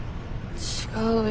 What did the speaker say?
違うよ。